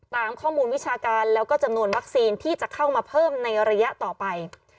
ตามข้อมูลวิชาการแล้วก็จำนวนวัคซีนที่จะเข้ามาเพิ่มในระยะต่อไป